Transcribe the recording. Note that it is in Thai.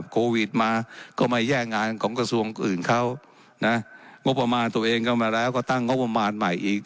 โควิดมาก็ไม่แย่งงานของกระทรวงอื่นเขานะงบอำมาตย์ตัวเองก็มาแล้วก็ตั้งงบอำมาตย์ใหม่อีก